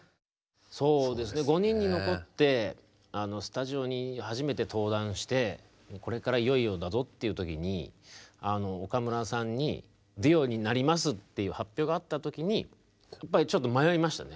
そうですね５人に残ってスタジオに初めて登壇してこれからいよいよだぞっていう時に岡村さんに「デュオになります」っていう発表があった時にやっぱりちょっと迷いましたね。